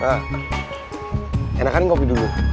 pak enakan kopi dulu